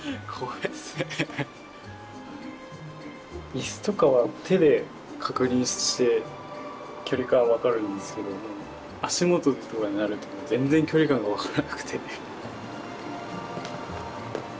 椅子とかは手で確認して距離感分かるんですけど足元とかになると全然距離感が分からなくて。